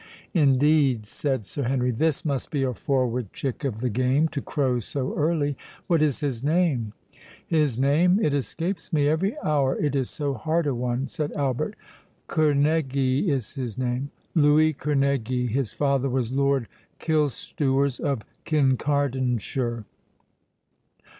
"Indeed?" said Sir Henry, "this must be a forward chick of the game, to crow so early.—What is his name?" "His name?—it escapes me every hour, it is so hard a one," said Albert—"Kerneguy is his name—Louis Kerneguy; his father was Lord Killstewers, of Kincardineshire."